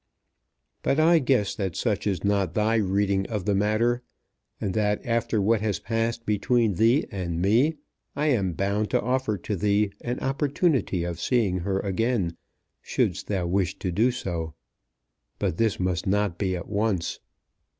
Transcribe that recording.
But I guess that such is not thy reading of the matter; and that after what has passed between thee and me I am bound to offer to thee an opportunity of seeing her again shouldst thou wish to do so. But this must not be at once.